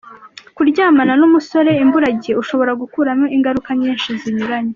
Kuryamana n’umusore imburagihe ushobora gukuramo ingaruka nyinshi zinyuranye.